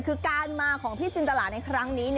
คือการมาของพี่จินตราในครั้งนี้